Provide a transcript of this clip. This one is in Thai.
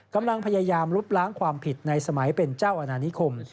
กำลังพยายามลบล้างความผิดในสมัยเป็นเจ้าอาณานิคม